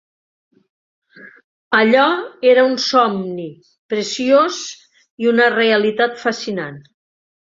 Allò era un somni preciós i una realitat fascinant.